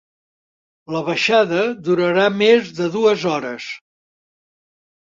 La baixada durarà més de dues hores.